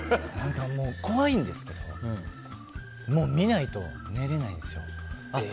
怖いんですけど見ないと寝られないんですよ。